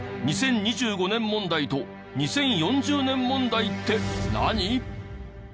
２０２５年問題と２０４０年問題って何？